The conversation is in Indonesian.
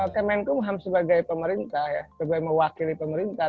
kemenkumham sebagai pemerintah ya sebagai mewakili pemerintah